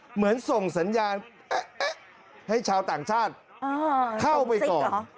เหมือนส่งสัญญาณให้ชาวต่างชาติเข้าไปก่อน